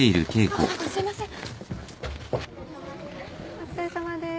お疲れさまです。